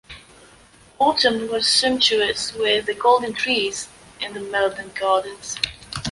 Autumn was sumptuous with the golden trees in the Meudon gardens.